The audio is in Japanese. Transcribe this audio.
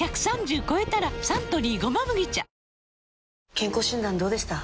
健康診断どうでした？